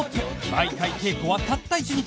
毎回稽古はたった１日